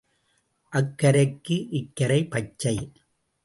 அக்கரைக்கு இக்கரை பச்சை.